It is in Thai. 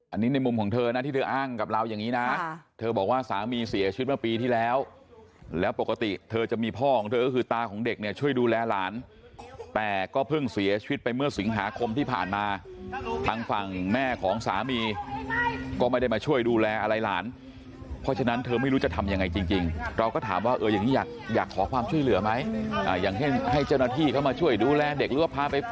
อันนี้ในมุมของเธอนะที่เธออ้างกับเราอย่างนี้นะเธอบอกว่าสามีเสียชีวิตเมื่อปีที่แล้วแล้วปกติเธอจะมีพ่อของเธอคือตาของเด็กช่วยดูแลหลานแต่ก็เพิ่งเสียชีวิตไปเมื่อสิงหาคมที่ผ่านมาทางฝั่งแม่ของสามีก็ไม่ได้มาช่วยดูแลอะไรหลานเพราะฉะนั้นเธอไม่รู้จะทำยังไงจริงเราก็ถามว่าอย่างนี้อยากขอความช่วยเหลือ